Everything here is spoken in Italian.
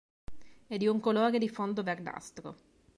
È di un colore di fondo verdastro.